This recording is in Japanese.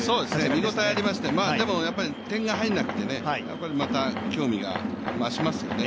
見応えありました、でも点が入らなくてまた興味が増しますよね。